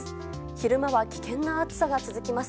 昼間は危険な暑さが続きます。